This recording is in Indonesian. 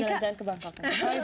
jalan jalan ke bangkok